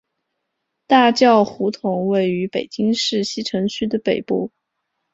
大觉胡同位于北京市西城区北部。